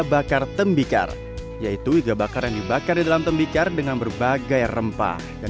bakar tembikar yaitu iga bakar yang dibakar di dalam tembikar dengan berbagai rempah dan